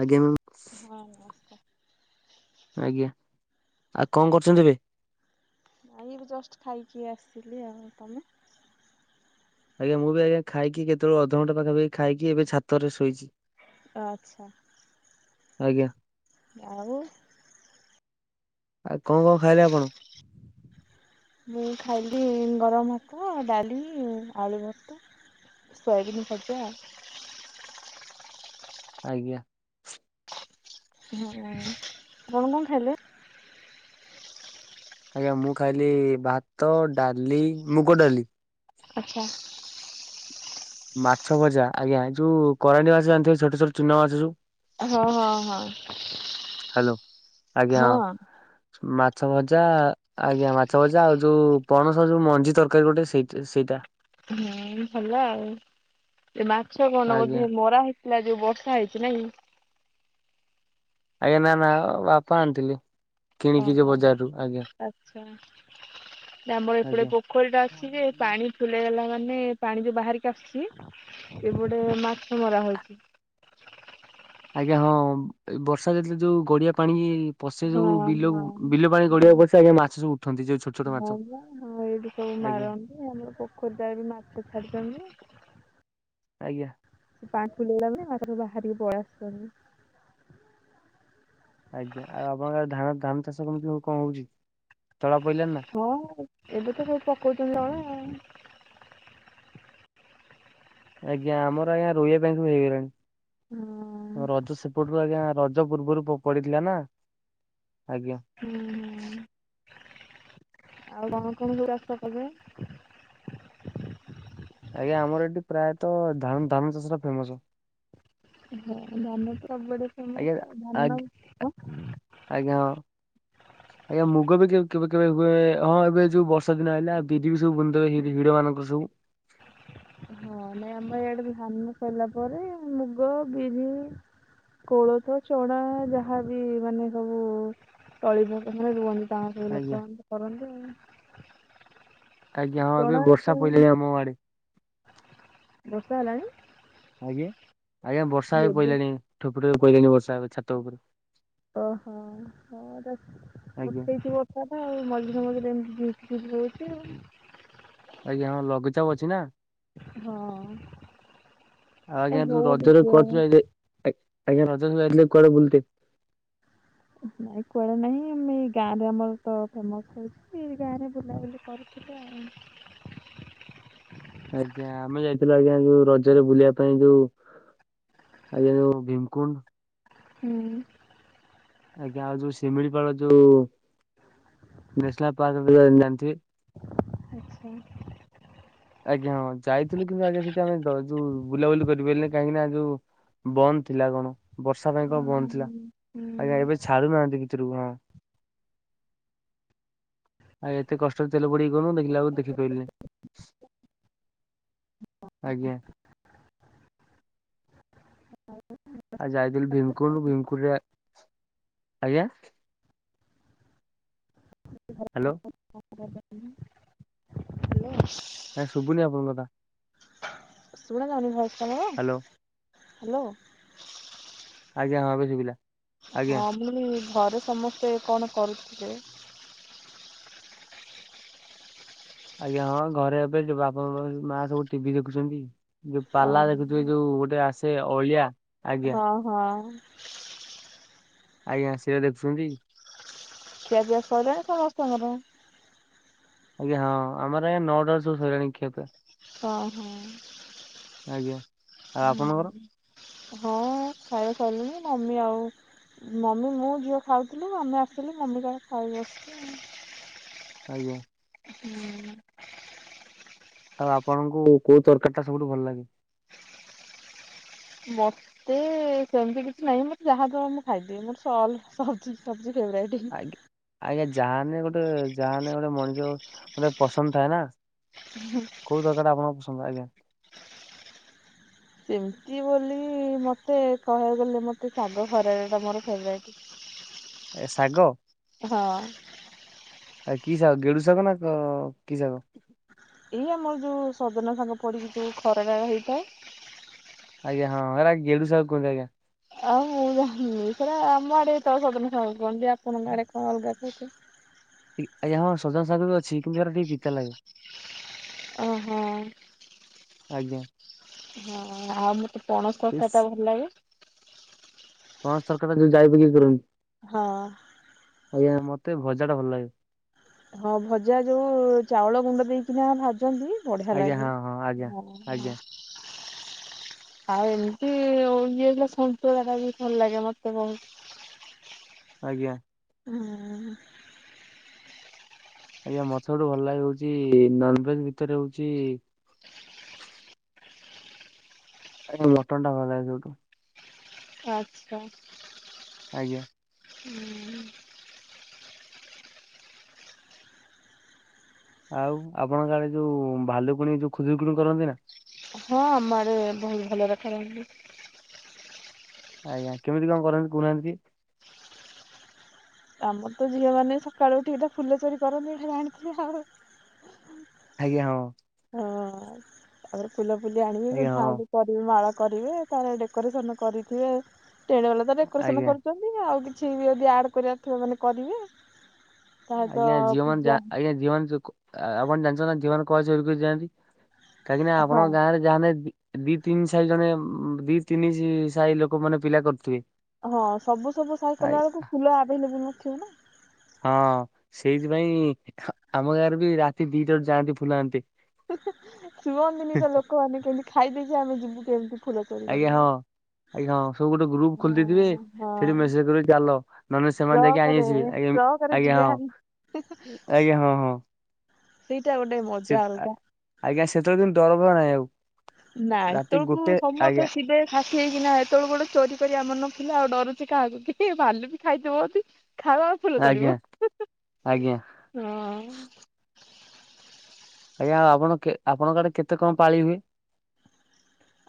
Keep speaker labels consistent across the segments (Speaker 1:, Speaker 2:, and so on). Speaker 1: ଆଜ୍ଞା ମ୍ୟାମ୍
Speaker 2: ହଁ ନମସ୍କାର।
Speaker 1: ଆଜ୍ଞା ଆଉ କଣ କରୁଛନ୍ତି ଏବେ?
Speaker 2: ଆ ଏବେ ଜଷ୍ଟ ଖାଇକି ଆସିଥିଲି ଆଉ। ତମେ?
Speaker 1: ଆଜ୍ଞା ମୁଁ ବି ଆଜ୍ଞା ଖାଇକି କେତେବେଳେ ଅଧଘଣ୍ଟା ପାଖାପାଖି ଖାଇକି ଏବେ ଛାତରେ ଶୋଇଚି।
Speaker 2: ଆଚ୍ଛା।
Speaker 1: ଆଜ୍ଞା।
Speaker 2: ଆଉ
Speaker 1: ଆଉ କଣ କଣ ଖାଇଲେ ଆପଣ?
Speaker 2: ମୁଁ ଖାଇଲି ଗରମ ଭାତ ଡାଲି ଆଳୁ ଭର୍ତା। ସୋୟାବିନ ଖାଇଚି ଆଉ।
Speaker 1: ଆଜ୍ଞା।
Speaker 2: ହୁଁ ଆପଣ କଣ ଖାଇଲେ?
Speaker 1: ଆଜ୍ଞା ମୁଁ ଖାଇଲି ଭାତ ଡାଲି ମୁଗ ଡାଲି।
Speaker 2: ଆଚ୍ଛା।
Speaker 1: ମାଛ ଭଜା ଆଜ୍ଞା। ଯୋଉ କରାଣ୍ଡି ମାଛ ଜାଣିଥିବ ଛୋଟ ଛୋଟ ଚୁନା ମାଛ ଯୋଉ।
Speaker 2: ହଁ ହଁ ହଁ
Speaker 1: ହାଲୋ, ଆଜ୍ଞା
Speaker 2: ହଁ।
Speaker 1: ମାଛ ଭ ଜା ଆଜ୍ଞା ମାଛ ଭଜା ଆଉ ଯୋଉ ପଣସ ଯୋଉ ମଞ୍ଜି ତରକାରୀ ଗୋଟେ ସେଇ ସେଇଟା।
Speaker 2: ହୁଁ ଭଲ ଆଉ। ଏ ମାଛ କଣ
Speaker 1: ଆଜ୍ଞା।
Speaker 2: ବୋଧେ ମରା ହେଇଥିଲା ଯୋଉ ବର୍ଷା ହେଇଛି ନାଇ କି।
Speaker 1: ଆଜ୍ଞା ନା ନା ବାପା ଆଣିଥିଲେ। କିଣିକି ଯୋଉ
Speaker 2: ଓହୋ
Speaker 1: ବଜାରରୁ ଆଜ୍ଞା
Speaker 2: ଆଚ୍ଛା। ଆମର ଏପଟେ ପୋଖରୀ ଟା ଅଛି ଯେ
Speaker 1: ଆଜ୍ଞା।
Speaker 2: ପାଣି ଫୁଲ ହେଇଗଲା। ମାନେ ପାଣି ଯୋଉ ବାହାରିକି ଆସୁଛି ଏପଟେ ମାଛ ଧରା ହଉଚି।
Speaker 1: ଆଜ୍ଞା ହଁ ବର୍ଷା ଯେତେବେଳେ ଯୋଉ ଗଡିଆ ପାଣି ପସେ
Speaker 2: ହଁ
Speaker 1: ଯୋଉ
Speaker 2: ହଁ
Speaker 1: ବିଲକୁ ବିଲ ପାଣି
Speaker 2: ହୁଁ।
Speaker 1: ଗଡ଼ିଆ କୁ ପଶେ ଆଜ୍ଞା ମାଛ ସବୁ ଉଠନ୍ତି ଯୋଉ ଛୋଟ ଛୋଟ
Speaker 2: ହଁ
Speaker 1: ମାଛ।
Speaker 2: ବା ହଁ ଏଇଠି ସବୁ
Speaker 1: ଆଜ୍ଞା
Speaker 2: ମାରନ୍ତି ଆମର ପୋଖରୀ ଟା ବି ମାଛ ଛାଡିଛନ୍ତି।
Speaker 1: ଆଜ୍ଞା।
Speaker 2: ସେ ପାଣି ଫୁଲ ହେଇଗଲେ ଆଉ ସବୁ ବାହାରିକି ପଳେଇ ଆସୁଛନ୍ତି।
Speaker 1: ଆଜ୍ଞା ଆଉ ଆପଣଙ୍କ ଆଡ଼େ ଧା ଧାନ ଚାଷ କେମିତି କଣ ହଉଛି? ତଳା ପଇଲାଣି ନା
Speaker 2: ହଁ ଏବେ ତ ସବୁ ପକଉଛନ୍ତି ତଳି।
Speaker 1: ଆଜ୍ଞା ଆମର ଆଜ୍ଞା ରୋଇବା ପାଇଁ ସବୁ
Speaker 2: ହଁ
Speaker 1: ହେଇଗଲାଣି। ରଜ ସେପଟରୁ ଆଜ୍ଞା ରଜ ପୂର୍ବରୁ ପଡିଥିଲା ନା। ଆଜ୍ଞା।
Speaker 2: ହୁଁ ହୁଁ ଆଉ [unintelligible] ରାସ୍ତା କେବେ?
Speaker 1: ଆଜ୍ଞା ଆମର ଏଠି ପ୍ରାୟତଃ ଧା ଧାନ ଚାଷ ଟା ଫେମସ।
Speaker 2: ହଁ ଧାନ ତ ସବୁ ଆଡେ
Speaker 1: ଆଜ୍ଞା
Speaker 2: ଫେମସ ଆଉ।
Speaker 1: ଆଗ୍
Speaker 2: ଧାନ
Speaker 1: ଆଜ୍ଞା ହଁ। [inaudible] ଆଜ୍ଞା ମୁଗ ବି କେବେ କେବେ ହୁଏ ହଁ ଏବେ ଯୋଉ ବର୍ଷା ଦିନ ଆଇଲା ବିରି ବି ସବୁ ବୁଣି ଦେବେ ହିଡ ମାନଙ୍କରେ ସବୁ। [inaudible]
Speaker 2: ହଁ ନାଇଁ ଆମ ଆଡେ ଧାନ ସଇଲା ପରେ ମୁଗ, ବିରି କୋଳଥ, ଚଣା ଯାହାବି ମାନେ ସବୁ ତଳି ମାନେ ରୁଅନ୍ତି। ତା ସବୁ
Speaker 1: ଆଜ୍ଞା
Speaker 2: ଲୋକ କରନ୍ତୁ ଆଉ।
Speaker 1: ଆଜ୍ଞା ହଁ ଏବେ
Speaker 2: ଚଣା
Speaker 1: ବର୍ଷା ପଇଲାଣି ଆମ ଆଡେ।
Speaker 2: ବର୍ଷା ହେଲାଣି?
Speaker 1: ଆଜ୍ଞା ଆଜ୍ଞା ବର୍ଷା ହେ
Speaker 2: ଦେବେ
Speaker 1: ପଇଲାଣି ଠୋପେ ଠୋପେ ପଇଲାଣି ବର୍ଷା ଏବେ ଛାତ ଉପରେ।
Speaker 2: ଓହୋ ହଁ
Speaker 1: ଆଜ୍ଞା
Speaker 2: ଉଠେଇଛି ବର୍ଷାଟା ଆଉ ମଝିରେ ମଝିରେ ଏମିତି ହଉଚି ଆଉ।
Speaker 1: ଆଜ୍ଞା ହଁ ଲଘୁଚାପ ଅଛି ନା।
Speaker 2: ହଁ। ଏ
Speaker 1: ଆଜ୍ଞା ତୁ
Speaker 2: ହଉ
Speaker 1: ରଜରେ
Speaker 2: ଟିକେ
Speaker 1: କୁଆ ଆଜ୍ଞା ରଜରେ ଯାଇଥିଲେ କୁଆଡେ ବୁଲିତେ? [unintelligible]
Speaker 2: ନାଇଁ କୁଆଡ଼େ ନାହିଁ ଆ ଏଇ ଗାଁରେ ଆମର ତ ଫେମସ୍ ହେଉଛି ଏଇ ଗାଁ ରେ ବୁଲାବୁଲି କରିଥିଲୁ ଆଉ।
Speaker 1: [unintelligible] ଆଜ୍ଞା ଆମେ ଯାଇଥିଲୁ ଆଜ୍ଞା ଯୋଉ ରଜରେ ବୁଲିବା ପାଇଁ ଯୋଉ ଆଜ୍ଞା ଯୋଉଁ ଭୀମକୁଣ୍ଡ।
Speaker 2: ହୁଁ।
Speaker 1: ଆଜ୍ଞା ଆଉ ଯୋଉ ଶିମିଳିପାଳ ଯୋଉ ନ୍ୟାସନାଲ ପାର୍କ ଜାଣିଥିବେ।
Speaker 2: ଆଛା।
Speaker 1: ଆଜ୍ଞା ହଁ ଯାଇଥିଲୁ କିନ୍ତୁ ଆଜ୍ଞା ସେଠି ଆମେ ଯୋଉ ବୁଲାବୁଲି କରିପାରିଲୁ ନାହିଁ କାହିଁକି ନା ଯୋଉ? ବନ୍ଦ ଥିଲା କଣ ବର୍ଷା ପାଇଁ
Speaker 2: ହୁଁ
Speaker 1: କଣ ବନ୍ଦ ଥିଲା
Speaker 2: ହୁଁ।
Speaker 1: ଆଜ୍ଞା ଏବେ ଛାଡୁନାହାନ୍ତି କି। [unintelligible] ଆଉ ଏତେ କଷ୍ଟରେ ତେଲ ପୋଡିକି କଣ ଦେଖିଲା ଆ ଦେଖିପାଇଲିନି। ଆଜ୍ଞା।
Speaker 2: ହଉ।
Speaker 1: ଆଉ ଯାଇଥିଲି ଭୀମକୁୁଣ୍ଡ ଭୀମକୁଣ୍ଡ ରେ ଆଜ୍ଞା। ହ୍ୟାଲୋ।
Speaker 2: ହ୍ୟାଲୋ।
Speaker 1: ଏ ସୁୁବୁନି ଆପଣଙ୍କ କଥା।
Speaker 2: ଶୁଣା ଯାଉନି ଭଏସ ମୋର ହ୍ୟାଲୋ।
Speaker 1: ଆଜ୍ଞା ହଁ ଏବେ ଶୁଭିଲା। ଆଜ୍ଞା
Speaker 2: ହଁ ମୁଇ ଘରେ ସମସ୍ତେ କଣ କରୁଥିଲେ?
Speaker 1: ଆଜ୍ଞା ହଁ ଘରେ ଏବେ ଯୋଉ ବାପା ମା ସବୁ ଟିଭି ଦେଖୁଛନ୍ତି। ଯୋଉ ପାଲା
Speaker 2: ଓହୋ।
Speaker 1: ଦେଖୁଛନ୍ତି ଯୋଉ ଗୋଟେ ଆସେ ଅଳିଆ। ଆଜ୍ଞା
Speaker 2: ହଁ ହଁ।
Speaker 1: ଆଜ୍ଞା ସେ ଦେଖୁଛନ୍ତି।
Speaker 2: ଖିଆ ପିଆ ସରିଲାଣି ସମସ୍ତଙ୍କର?
Speaker 1: ଆଜ୍ଞା ହଁ ଆମର ଆ ନଅଟାରେ ସବୁ ସଇଲାନି ଖିଆ ପିଆ।
Speaker 2: ଓ ହୋ।
Speaker 1: ଆଜ୍ଞା। ଆଉ ଆପଣଙ୍କର
Speaker 2: ହୁଁ ହଁ ଖାଇବା ସଇଲାନି ମମି ଆଉ ମମି ମୁଁ ଝିଅ ଖାଉଥିଲି ଆମେ ଆସିଲୁ ମମି ତାର ଖାଇ ବସିଚି ଆଉ।
Speaker 1: ଆଜ୍ଞା
Speaker 2: ହୁଁ।
Speaker 1: ଆଉ ଆପଣଙ୍କୁ କୋଉ ତରକାରୀ ଟା ସବୁଠୁ ଭଲ ଲାଗେ?
Speaker 2: ମୋତେ ସେମିତି କିଛି ନାହିଁ। ମୋତେ ଯାହାଦବ ମୁଁ ଖାଇଦେବି ମୋର ସଲ ସହ ସବଜି ଫେବରାଇଟ୍।
Speaker 1: ଆଜ୍ଞା ଆଜ୍ଞା ଯାହାନେ ଗୋଟେ ଯାହାନେ ଗୋଟେ ମଣିଷ ଗୋଟେ ପସନ୍ଦ ଥାଏ ନା କୋଉ ତରକାରିଟା ଆପଣଙ୍କ ପସନ୍ଦ ଆଜ୍ଞା?
Speaker 2: ସେମିତି ବୋଲି ମୋତେ କହିବାକୁ ଗଲେ ମୋତେ ଶାଗ ଖରଡା ଟା ମୋର ଫେବୋରାଇଟ୍।
Speaker 1: ଏ ଶାଗ ଆ କି ଶାଗ ଗେଡୁ ସାଗ, ନା କି ଶାଗ?
Speaker 2: ଏଇ ଆମର ଯୋଉ ସଜନା ଶାଗ ପଡ଼ିକି ଯୋଉ ଖରଡା ହେଇଥାଏ।
Speaker 1: ଆଜ୍ଞା, ହଁ ହେରା ଗେଡୁ ଶାଗ ଗ କହନ୍ତି ଆଜ୍ଞା।
Speaker 2: ଆଉ, ମୁଁ ଜା ସେରା ଆମ ଆଡେ ତ ସଜନା ସାଗ କୁହନ୍ତି। ଆପଣଙ୍କ ଆଡେ କଣ ଅଲଗା କ
Speaker 1: ଆଜ୍ଞା, ହଁ ସଜନା ଶାଗ ବି ଅଛି। କିନ୍ତୁ ହେରା ଟିକେ ପିତା ଲାଗେ।
Speaker 2: ଓହୋ
Speaker 1: ଆଜ୍ଞା।
Speaker 2: ହଁ, ଆଉ ମତେ ପଣସ
Speaker 1: ଇସ୍,
Speaker 2: ତରକାରୀ ଟା ଭଲ ଲାଗେ।
Speaker 1: ପଣସ ତରକାରୀ ଟା ଯୋଉ ଜାଇ ପକେଇକି କରନ୍ତି?
Speaker 2: ହଁ
Speaker 1: ଆଜ୍ଞା, ମତେ ଭଜା ଟା ଭଲ ଲାଗେ।
Speaker 2: ହଁ, ଭଜା ଯୋଉ ଚାଉଳ ଗୁଣ୍ଡ ଦେଇକିନା ଭା ଛନ୍ତି ବଢିଆ
Speaker 1: ଆଜ୍ଞା
Speaker 2: ଲାଗେ
Speaker 1: ହଁ ଆଜ୍ଞା।
Speaker 2: ହଁ ହଁ।
Speaker 1: ଆଜ୍ଞା
Speaker 2: ଆଉ ଏମିତି ଇଏ ହେଲା ସନ୍ତୁଳା ବି ଭଲ ଲାଗେ ମତେ ବହୁତ।
Speaker 1: ଆଜ୍ଞା
Speaker 2: ହଁ
Speaker 1: ଆଜ୍ଞା, ମୋତେ ସବୁଠୁ ଭଲ ଲାଗେ ହଉଛି ନନଭେଜ ଭିତରେ ହଉଛି ଆଜି ମଟନ୍ ଟା ଭଲ ସବୁଠୁ
Speaker 2: ଆଛା।
Speaker 1: ଆଜ୍ଞା।
Speaker 2: [unintelligible]
Speaker 1: ଆଉ ଆପଣଙ୍କ ଆଡେ ଯୋଉ ଭାଲୁକୁଣି ଯୋଉ ଖୁଦୁରୁକୁଣି କରନ୍ତି ନା
Speaker 2: ହଁ, ଆମ ଆଡେ ବହୁତ ଭଲରେ କରନ୍ତି।
Speaker 1: ଆଜ୍ଞା, କେମିତି କଣ କରନ୍ତି କହୁନାହାନ୍ତି?
Speaker 2: ଆମର ତ ଝିଅ ମାନେ ସକାଳୁ ଉଠିକି ଏଟା ଫୁଲ ଚୋରି କରନ୍ତି ଏଟା ଜାଣିଥିବେ ଆଉ।
Speaker 1: ଆଜ୍ଞା, ହଁ।
Speaker 2: ହଁ। ତାପରେ, ଫୁଲଫୁଲି ଆଣିବି
Speaker 1: ଆଜ୍ଞା ହଁ
Speaker 2: ଗୁନ୍ଥାଗୁନ୍ଥି କରିବି ମାଳ କରିବେ ତାର ଡେକୋରେସନ କରିଥିବେ ଟେଣ୍ଟେ ବାଲା ତ ଡେକୋରେସନ
Speaker 1: ଆଜ୍ଞା
Speaker 2: କରୁଛନ୍ତି ଆଉ କିଛି କିଛି ବି ଯଦି ଆଡ କରିବାର ଥିବ ମାନେ କରିବେ। ତା ସହିତ
Speaker 1: ଆଜ୍ଞା, ଝିଅ ମାନେ
Speaker 2: ପୂଜା
Speaker 1: ଯା ଆଜ୍ଞା ଝିଅ ମାନେ ସ ଆ ଆପଣ ଜାଣିଛନ୍ତି ନା ଝିଅମାନେ କଣ ପାଇଁ ଚୋରି କରି ଯାଆନ୍ତି କାହିଁକି ନା
Speaker 2: ହଁ।
Speaker 1: ଆପଣଙ୍କ ଗାଁରେ ଯାହା ଦି, ତିନି ସାହି ଜଣେ ଦି, ତିନି ସାହି ଲୋକ ମାନେ ପିଲା କରୁଥିବେ
Speaker 2: ହଁ, ସବୁ ସବୁ ସାଇ
Speaker 1: ଆଇ
Speaker 2: କଲା ବେଳକୁ ଫୁଲ ଆଭେଲେବୁଲ ନଥିବ ନା
Speaker 1: ହଁ, ସେଇଥିପାଇଁ ଆମ ଗାଁରେ ବି ରାତି ଦିଟା ରୁ ଯାଆନ୍ତି ଫୁଲଆଣିତେ।
Speaker 2: ଶୁଅନ୍ତିନି ତ ଲୋକ ଆମେ କେମିତି ଖାଇଦେଇକି ଆମେ ଯିବୁ କେମିତି ଫୁଲ ଚୋରି
Speaker 1: ଆଜ୍ଞା ହଁ
Speaker 2: କରିବାକୁ।
Speaker 1: ଆଜ୍ଞା ହଁ ସବୁ ଗୋଟେ ଗ୍ରୁପ ଖୋଲିଦେଇଥିବେ
Speaker 2: ହଁ
Speaker 1: ସେଠି ମେସେଜ କରିବେ ଚାଲ ମାନେ ସେମାନେ ଯାଇକି
Speaker 2: ଟ୍ରକରେ
Speaker 1: ଆଣିଛି ଆଜ୍ଞା
Speaker 2: ଟ୍ରକରେ
Speaker 1: ଆଜ୍ଞା
Speaker 2: ଯିବେ ହାରି
Speaker 1: ହଁ ଆଜ୍ଞା ହଁ ହଁ
Speaker 2: ସେଇଟା ଗୋଟେ ମଜା ଅଲଗା।
Speaker 1: ସେତବେଳେ କିନ୍ତୁ ଡର ଭୟ ନାହିଁ ଆଉ।
Speaker 2: ନାଇଁ,
Speaker 1: ରାତି
Speaker 2: ସବୁ
Speaker 1: ଗୋଟେ
Speaker 2: ସମସ୍ତେ
Speaker 1: ଆଜ୍ଞା
Speaker 2: ଥିବେ ଖା ଠିକି ନା ଏତେବେଳେ ଗୋଟେ ଚୋରି କରିବା ମନ ଥିଲା। ଆଉ ଡରୁଛି କାହାକୁ ଭାଲୁ ବି ଖାଇଦେବ ଯଦି ଖାଉ ଆମେ ଫୁଲ
Speaker 1: ଆଜ୍ଞା
Speaker 2: ତୋଳିବୁ।
Speaker 1: ଆଜ୍ଞା।
Speaker 2: ହଁ
Speaker 1: ଆଜ୍ଞା ଆ ଆପଣ ଆପଣଙ୍କ ଆଡେ କେତେ କଣ ପାଳି ହୁଏ?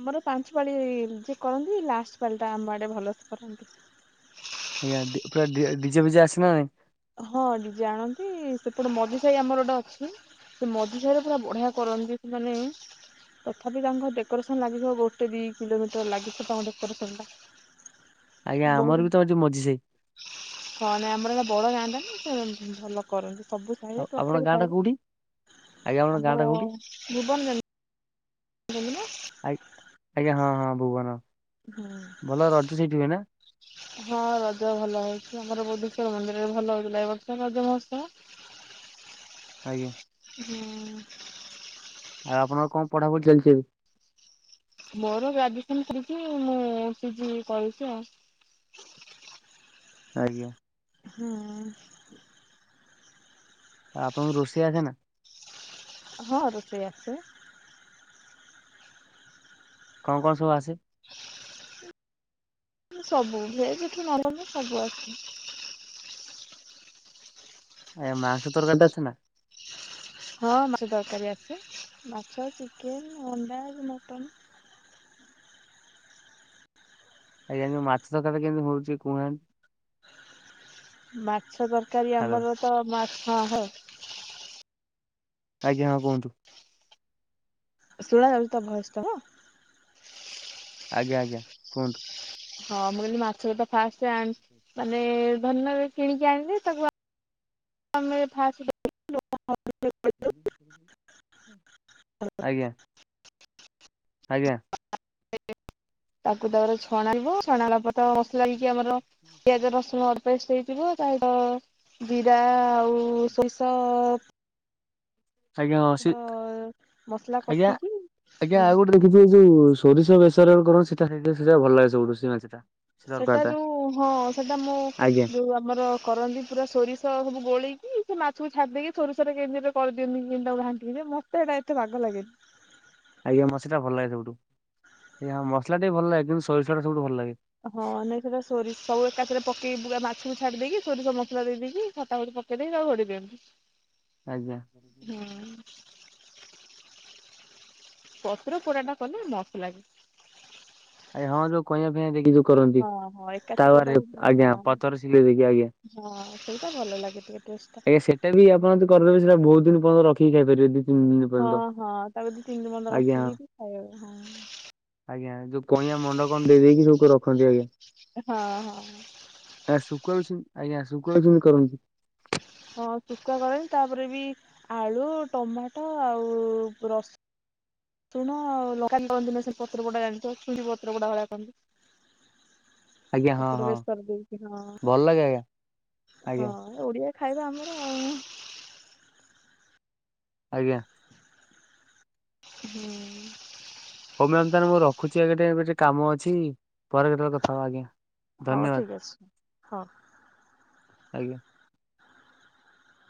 Speaker 2: ଆମର ପାଞ୍ଚ ପାଳି ଯିଏ କରନ୍ତି ଲାଷ୍ଟ ପାଳି ଟା ଆମ ଆଡେ ଭଲସେ କରନ୍ତି।
Speaker 1: ଆଜ୍ଞା ପୁରା ଡିଜେ ଫିଜେ ଆସେନା ନାଇଁ
Speaker 2: ହଁ ଡିଜେ ଆଣନ୍ତି ସେପଟେ ମଝି ସାହି ଆମର ଗୋଟେ ଅଛି। ସେ ମଝି ସାହି ରେ ପୁରା ବଢିଆ କରନ୍ତି ସେମାନେ ତଥାପି ତାଙ୍କ ଡେକୋରେସନ ଲାଗିଥିବ ଗୋଟେ ଦି କିଲୋମିଟର ଲାଗିଥିବ ତାଙ୍କ ଡେକୋରେସନ
Speaker 1: ଆଜ୍ଞା
Speaker 2: ଟା
Speaker 1: ଆମର
Speaker 2: ବହୁତ
Speaker 1: ବି ତ ଯୋଉ ମଝି ସାହି।
Speaker 2: ହଁ ନାଇ ଆମର [unintelligible] ଯାଆନ୍ତା ନା ସେ ଭଲ କରନ୍ତି। ସବୁ ସାଇରେ
Speaker 1: ଆଉ ଆପଣଙ୍କ
Speaker 2: ପ୍ରତ୍ୟେକ
Speaker 1: ଗାଁ ଟା କୋଉଠି? ଆଜ୍ଞା
Speaker 2: ସାଇରେ
Speaker 1: ଆପଣଙ୍କ
Speaker 2: ଆମର ଭୁବନ ଯେମିତି
Speaker 1: ଆ ଆଜ୍ଞା ହଁ ହଁ ଭୁବନ ଭଲ ରଜ ସେଇଠି ହୁଏନା?
Speaker 2: ହଁ ରଜ ଭଲ ହଉଛି ଆମର ବୋଧେଶ୍ଵର ମନ୍ଦିରରେ ଭଲ ହଉଥିଲା ଏ ବର୍ଷ ରଜ ମହୋତ୍ସବ।
Speaker 1: ଆଜ୍ଞା।
Speaker 2: ହୁଁ।
Speaker 1: ଆଉ ଆପଣଙ୍କର କଣ ପଢାପଢି ଚାଲିଛି ଏବେ?
Speaker 2: ମୋର ଗ୍ରାଜୁଏସନ ସାରିକି ମୁଁ ପିଜି କରୁଛି ଆଉ।
Speaker 1: ଆଜ୍ଞା।
Speaker 2: ହଁ।
Speaker 1: ହୁଁ। ଆପଣଙ୍କୁ ରୋଷେଇ ଆସେ ନା?
Speaker 2: ହଁ ରୋଷେଇ ଆସେ।
Speaker 1: କଣ କଣ ସବୁ ଆସେ?
Speaker 2: ସବୁ ଭେଜ ଠୁ ନନଭେଜ ସବୁ ଅଛି।
Speaker 1: ଏ ମାଂସ ତରକାରୀଟା ଅଛି ନା?
Speaker 2: ହଁ ମାଛ ତରକାରୀ ଆସେ ମାଛ, ଚିକେନ, ଅଣ୍ଡା, ମଟନ୍
Speaker 1: ଆଜ୍ଞା ମାଛ ତରକାରିଟା କେମିତି ହଉଛି କୋହୁନାହାନ୍ତି।
Speaker 2: ମାଛ ତରକାରୀ ଆମର ତ ମାଛ ହଁ
Speaker 1: ଆଜ୍ଞା ହଁ କୁହନ୍ତୁ।
Speaker 2: ଶୁଣାଯାଉଛି ତ ଭୟସ ତ
Speaker 1: ଆଜ୍ଞା ଆଜ୍ଞା କୁହନ୍ତୁ।
Speaker 2: ହଁ ମୁଁ କହିଲି ମାଛଟା ଫାଷ୍ଟ ମାନେ ଧରିନିଅ କିଣିକି ଆଣିଲି ତାକୁ [unintelligible]
Speaker 1: ଆଜ୍ଞା। ଆଜ୍ଞା।
Speaker 2: ତାକୁ ତାପରେ ଛଣାଇବ। ଚଣା ଲପଟ ମସଲା ହେଇକି ଆମର ପିଆଜ, ରସୁଣ ବେଷ୍ଟ ହେଇଯିବ ତାର ଜିରା ଆଉ ସୋରିଷ
Speaker 1: ଆଜ୍ଞା ସ
Speaker 2: ମସଲା
Speaker 1: ଆଜ୍ଞା
Speaker 2: କଷିକି
Speaker 1: ଆଜ୍ଞା
Speaker 2: ହଁ
Speaker 1: ଆଉ ଗୋଟେ ଦେଖିଚୁ ଯୋଉ ସୋରିଷ ବେସର କର ସେଟା ଭଲ ଲାଗେ ସୋରିଷ ମାଛଟା। ସେ ତରକାରୀ
Speaker 2: ସେଟା
Speaker 1: ଟା
Speaker 2: ଯୋଉ ହଁ ସେଟା ମୁଁ
Speaker 1: ଆଜ୍ଞା
Speaker 2: ଯୋଉ ଆମର କରନ୍ତି ପୁରା ସୋରିଷ ସବୁ ଗୋଳେଇକି ଇ ସେ ମାଛକୁ ଛାଡିଦେଇକି ସୋରିଷ କେମିତି ଗୋଟେ କରିଦିଅନ୍ତି ଗୁଣ୍ଡ ଢାଙ୍କିକି ଯେ ମତେ ଏଟା ଏତେ ବାଗ ଲାଗେନି।
Speaker 1: ଆଜ୍ଞା ମସଲା ଟା ଭଲ ଲାଗେ ସବୁଠୁ ମସଲା ଟା ବି ଭଲ ଲାଗେ କିନ୍ତୁ ସୋରିଷ ଟା ସବୁଠୁ ଭଲ ଲାଗେ।
Speaker 2: ହଁ ନାଇଁ ସେଟା ସୋରିଷ ସବୁ ଏକାଥରେ ମାଛକୁ ଛାଡି ଦେଇକି ସୋରିଷ ମସଲା ଦେଇକି ଖଟା ଗୋଟେ ପକେଇ ଦେଇକି ତାକୁ ଘୋଡେ଼ଇ ଦିଅନ୍ତି।
Speaker 1: ଆଜ୍ଞା
Speaker 2: ହୁଁ। ପତ୍ର ପୋଡା ଟା କଲେ ମସ୍ତ ଲାଗେ।
Speaker 1: ହଁ ଯୋଉ କଇଆଁ ଫଇଆ ଦେଇକି ଯୋଉ କରନ୍ତି
Speaker 2: ହଁ ହଁ ଏକାଥରେ
Speaker 1: ତାପରେ
Speaker 2: ତାକୁ
Speaker 1: ଆଜ୍ଞା
Speaker 2: ହଁ
Speaker 1: ପଥର ସିଲେଇ ଦେଇକି ଆଜ୍ଞା।
Speaker 2: ହଁ ସେଇଟା ଭଲ ଲାଗେ ଟିକେ। ଟେଷ୍ଟଟା।
Speaker 1: ଆଜ୍ଞା ସେଇଟା ବି ଆପଣ କରିଦେବେ ସେଟା ବହୁତ ଦିନ ପର୍ଯ୍ୟନ୍ତ ରଖିକି ଖାଇପାରିବେ ଦି ତିନି ଦିନ
Speaker 2: ହଁ
Speaker 1: ପର୍ଯ୍ୟନ୍ତ
Speaker 2: ହଁ ତାକୁ ଦି ତିନି ଦିନ ପର୍ଯ୍ୟନ୍ତ
Speaker 1: ଆଜ୍ଞା।
Speaker 2: ରଖିକି ବି ଖାଇବ।
Speaker 1: ଆଜ୍ଞା ଯୋଉ କଇଁଆ ମଣ୍ଡ କଣ ଦେଇ ଦେଇକି ସବୁ ରଖନ୍ତି ଆଜ୍ଞା।
Speaker 2: ହଁ ହଁ।
Speaker 1: ଆ ଶୁଖୁଆ ବି ସେମିତି ଆଜ୍ଞା ଶୁଖୁଆ ଯୋଇ କରନ୍ତୁ।
Speaker 2: ହଁ ଶୁକୁଆ କରନ୍ତି ତାପରେ ବି ଆଳୁ, ଟମାଟୋ ଆଉ ରସ ଶୁଣ ଲଗା ଲନ୍ତି ନା ସେ ପତ୍ର ଗୁଡା ଜାଣିଥିବ ଛୁଇଁ ପତ୍ର ଗୁଡା ଭଳିଆ କରନ୍ତି।
Speaker 1: ଆଜ୍ଞା ହଁ
Speaker 2: ଏପଟେ
Speaker 1: ହଁ
Speaker 2: ବେସର ଦେଇକି ହଁ
Speaker 1: ଭଲ ଲାଗେ ଆଜ୍ଞା।
Speaker 2: ହଁ
Speaker 1: ଆଜ୍ଞା
Speaker 2: ଓଡିଆ ଖାଇବା ଆମର ଆଉ
Speaker 1: ଆଜ୍ଞା।
Speaker 2: ହୁଁ।
Speaker 1: ହଉ ମ୍ୟାମ ତାହେଲେ ମୁଁ ରଖୁଛି ଆଜି ଟିକେ ଏମିତି କାମ ଅଛି। ପରେ କେତେବେଳେ କଥା ହବା ଆଜ୍ଞା
Speaker 2: ହଉ
Speaker 1: ଧନ୍ୟବାଦ।
Speaker 2: ଠିକ୍ ଅଛି ହଉ।
Speaker 1: ଆଜ୍ଞା।